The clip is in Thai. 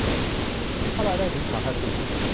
ถ้ารายได้ถึงฐานภาษี